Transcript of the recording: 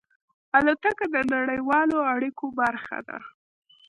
الوتکه د نړیوالو اړیکو برخه ده.